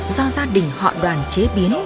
do gia đình họ đoàn chế biến